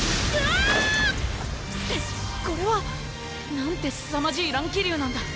これは⁉なんてすさまじい乱気流なんだ？